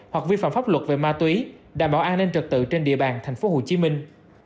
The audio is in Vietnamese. hoặc vi phạm pháp luật về ma túy đảm bảo an ninh trật tự trên địa bàn thành phố hồ chí minh